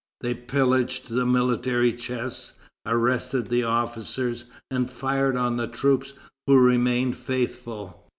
They pillaged the military chests, arrested the officers, and fired on the troops who remained faithful.